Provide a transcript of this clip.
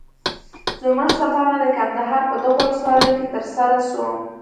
زموږ سفرونه د کندهار په دغو ولسوالیو کي تر سره سو.